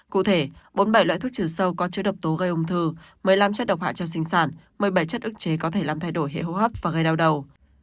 cụ thể bốn mươi bảy loại thuốc trừ sâu có chứa độc tố gây ung thư một mươi năm chất độc hại cho sinh sản một mươi bảy chất ức chế có thể làm thay đổi hệ hô hấp và gây đau đầu